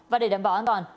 và để đảm bảo an toàn